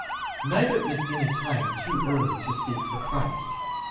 Neither is any time too early to seek for Christ.